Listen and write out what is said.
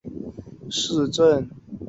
埃舍是德国下萨克森州的一个市镇。